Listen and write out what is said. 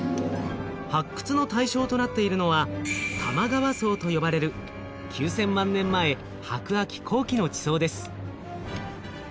発掘の対象となっているのは玉川層と呼ばれる９，０００万年前白亜紀後期の地層です。